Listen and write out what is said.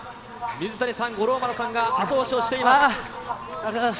水谷さん、五郎丸さんが後押しをありがとうございます。